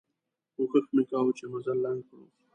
کوښښ مو کوه چې مزل لنډ کړو.